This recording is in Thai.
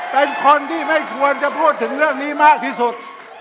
เป็นคนที่ไม่ควรจะพูดถึงเรื่องนี้มากที่สุด